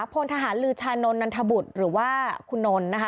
พลทหารลือชานนท์นนันทบุตรหรือว่าคุณนนท์นะคะ